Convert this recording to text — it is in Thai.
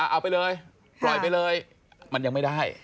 เอาไปเลยปล่อยไปเลยมันยังไม่ได้